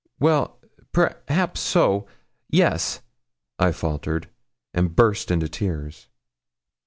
'Well, perhaps so yes,' I faltered, and burst into tears.